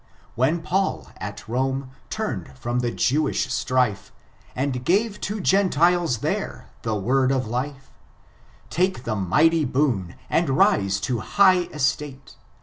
When BnU, at Rome, turned from the Jewish strife. And gave to GtntiUt there the word of life: Take the mighty boon, and rise to high estato.